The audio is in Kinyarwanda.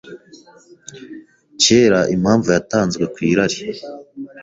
Kera impamvu yatanzwe ku irari